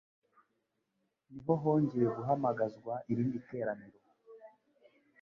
ni ho hongeye guhamagazwa irindi teraniro